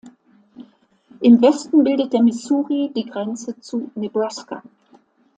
Im Westen bildet der Missouri die Grenze zu Nebraska.